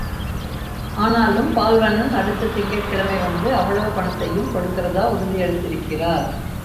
ஆனாலும் பால்வண்ணன் அடுத்த திங்கட்கிழமை வந்து அவ்வளவு பணத்தையும் கொடுக்கிறதா உறுதியளித்திருக்கார்.